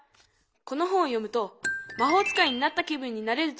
この本を読むと「まほう使いになった気分になれる」